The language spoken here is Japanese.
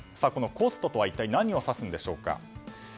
このコストとは一体、何を指すんでしょうか。